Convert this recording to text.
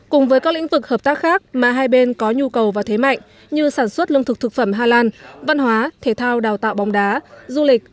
cùng với các lĩnh vực hợp tác khác mà hai bên có nhu cầu và thế mạnh như sản xuất lương thực thực phẩm hà lan văn hóa thể thao đào tạo bóng đá du lịch